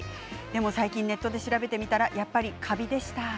でも最近ネットで調べてみたらやっぱりカビでした。